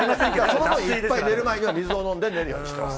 その分、いっぱい、寝る前に水を飲んで寝るようにしています。